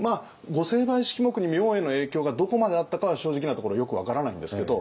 御成敗式目に明恵の影響がどこまであったかは正直なところよく分からないんですけど